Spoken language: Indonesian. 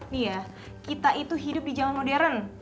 nih ya kita itu hidup di jalan modern